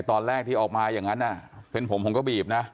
ตอนแรกที่ออกมาอย่างนั้นเป็นผมผมก็บีบนะ